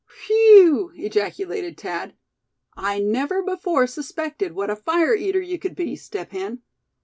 "Whew!" ejaculated Thad, "I never before suspected what a fire eater you could be, Step Hen.